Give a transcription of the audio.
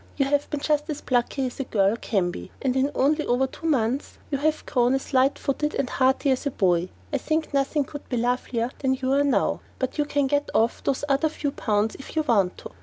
"You have been just as plucky as a girl can be, and in only a little over two months you have grown as lightfooted and hearty as a boy. I think nothing could be lovelier than you are now, but you can get off those other few pounds if you want to.